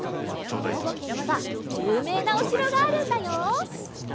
ひょうごけんにはゆうめいなおしろがあるんだよ！